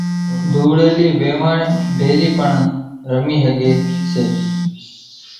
ڌوڙيلي ويواڻ ڀيري پڻ رمي ۿڳي سي۔